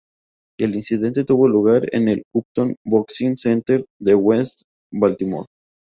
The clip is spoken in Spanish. El incidente tuvo lugar en el Upton Boxing Center en West Baltimore.